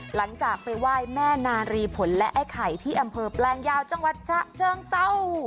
หลังจากไปไหว้แม่นารีผลและไอ้ไข่ที่อำเภอแปลงยาวจังหวัดชะเชิงเศร้า